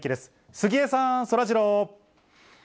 杉江さん、そらジロー。